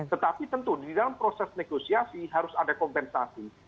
tetapi tentu di dalam proses negosiasi harus ada kompensasi